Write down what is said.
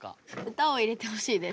歌を入れてほしいです。